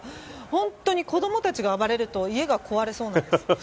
本当に子どもたちが暴れると家が壊れそうなんです。